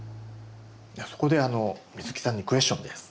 そこで美月さんにクエスチョンです。